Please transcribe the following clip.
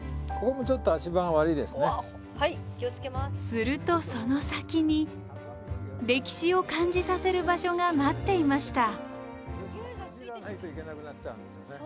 するとその先に歴史を感じさせる場所が待っていました。